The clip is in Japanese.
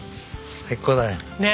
最高だね。